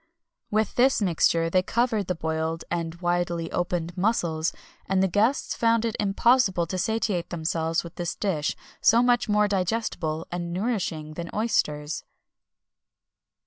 [XXI 249] With this mixture they covered the boiled and widely opened mussels, and the guests found it impossible to satiate themselves with this dish, so much more digestible and nourishing than oysters.